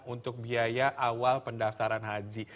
untuk biaya awal pendaftaran haji